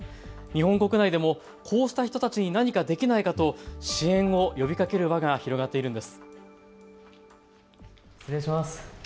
日本国内でも、こうした人たちに何かできないかと支援を呼びかける輪が広がっているんです。